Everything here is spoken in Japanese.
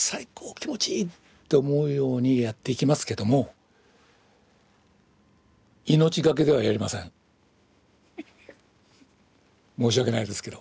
気持ちいい！」って思うようにやっていきますけども申し訳ないですけど。